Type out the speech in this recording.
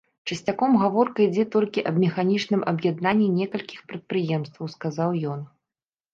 Часцяком гаворка ідзе толькі аб механічным аб'яднанні некалькіх прадпрыемстваў, сказаў ён.